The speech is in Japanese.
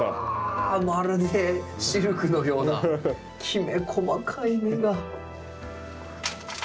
まるでシルクのようなきめ細かい根が。